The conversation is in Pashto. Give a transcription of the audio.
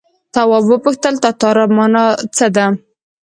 تواب وپوښتل تتارا مانا څه ده.